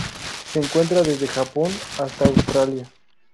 Se encuentra desde Japón hasta Australia.